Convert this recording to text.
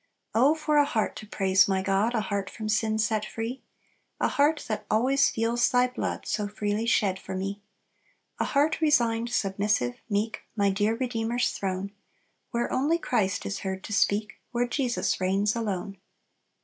"Oh for a heart to praise my God, A heart from sin set free! A heart that always feels Thy blood, So freely shed for me. "A heart resigned, submissive, meek, My dear Redeemer's throne; Where only Christ is heard to speak, Where Jesus reigns alone."